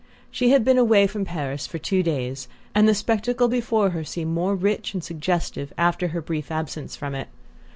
She had been away from Paris for two days, and the spectacle before her seemed more rich and suggestive after her brief absence from it.